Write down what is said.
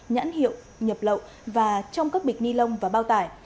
nhãn hiệu nhập lậu và trong các bịch ni lông và bao tải